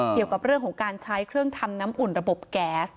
เกี่ยวกับเรื่องของการใช้เครื่องทำน้ำอุ่นระบบแก๊ส